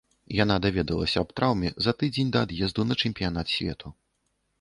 Яна даведалася аб траўме за тыдзень да ад'езду на чэмпіянат свету.